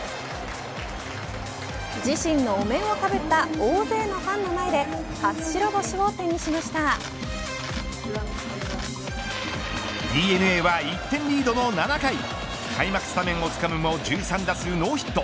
自身のお面をかぶった大勢のファンの前でＤｅＮＡは１点リードの７回開幕スタメンをつかむも１３打数ノーヒット。